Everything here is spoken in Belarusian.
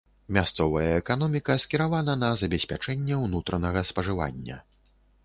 Мясцовая эканоміка скіравана на забеспячэнне ўнутранага спажывання.